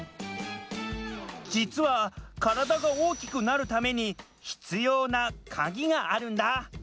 じつはカラダが大きくなるために必要なカギがあるんだ！